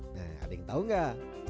ada yang tau gak